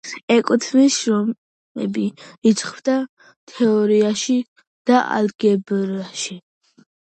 ეკუთვნის შრომები რიცხვთა თეორიაში და ალგებრაში.